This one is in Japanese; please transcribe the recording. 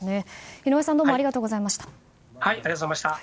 井上さんどうもありがとうございました。